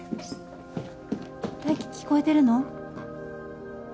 泰生聞こえてるの？